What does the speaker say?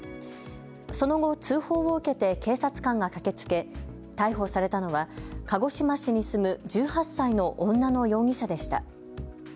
その後、通報を受けて警察官が駆けつけ逮捕されたのは鹿児島市に住む１８歳の女の容疑者でした。